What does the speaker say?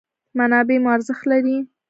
منابع مو ارزښت لري.